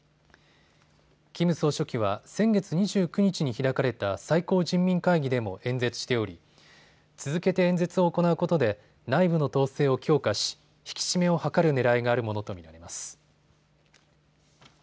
キム総書記は先月２９日に開かれた最高人民会議でも演説しており続けて演説を行うことで内部の統制を強化し引き締めを図るねらいがあるものと見られます。